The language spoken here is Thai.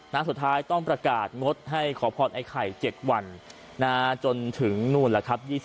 สุดท้ายต้องประกาศงดให้ขอพรไอ้ไข่๗วันจนถึงนู่นแหละครับ